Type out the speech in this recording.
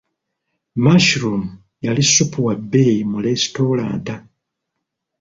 Mushroom yali ssupu wa bbeyi mu lesitulanta.